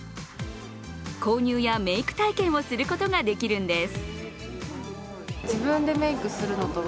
購入やメイク体験をすることができるんです。